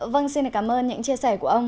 vâng xin cảm ơn những chia sẻ của ông